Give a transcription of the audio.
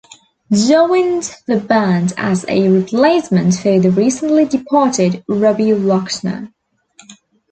Joined the band as a replacement for the recently departed Robby Lochner.